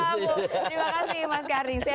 terima kasih mas karli